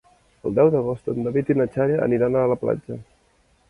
El deu d'agost en David i na Xènia aniran a la platja.